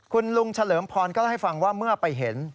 คุณลด์หลงเฉลิมพรก็ให้ฟังว่าเมื่อไปเห็น